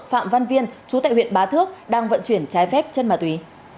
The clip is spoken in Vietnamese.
phạm văn viên chú tại huyện bá thước đang vận chuyển trái phép chân ma túy